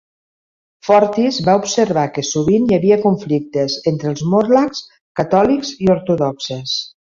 Fortis va observar que sovint hi havia conflictes entre els morlacs catòlics i ortodoxes.